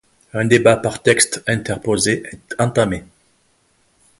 Un débat par textes interposés est entamé.